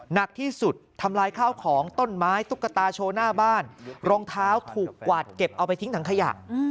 หนักที่สุดทำลายข้าวของต้นไม้ตุ๊กตาโชว์หน้าบ้านรองเท้าถูกกวาดเก็บเอาไปทิ้งถังขยะ